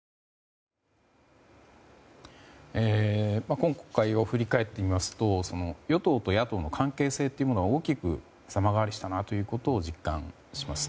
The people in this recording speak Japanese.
今国会を振り返ってみますと与党と野党の関係性というものが大きく様変わりしたなと実感します。